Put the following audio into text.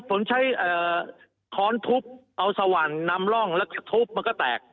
ผมใช้คร้อนถุ๊ปเอาสวัณนำร่องทึบมันก็แตก